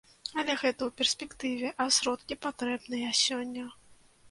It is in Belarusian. Але гэта ў перспектыве, а сродкі патрэбныя сёння.